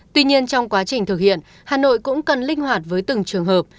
tuy nhiên trong quá trình thực hiện hà nội cũng cần linh hoạt với từng trường hợp